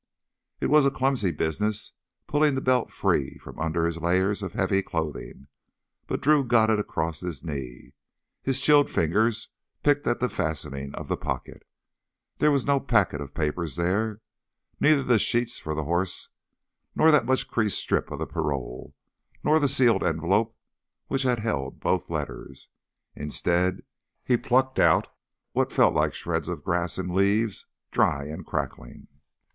It was a clumsy business, pulling the belt free from under his layers of heavy clothing. But Drew got it across his knee. His chilled fingers picked at the fastening of the pocket. There was no packet of papers there—neither the sheets for the horse, nor the much creased strip of the parole, nor the sealed envelope which had held both letters. Instead he plucked out what felt like shreds of grass and leaves, dry and crackling.